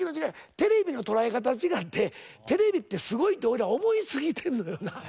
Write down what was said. テレビの捉え方違ってテレビってすごいって俺ら思いすぎてんのよな。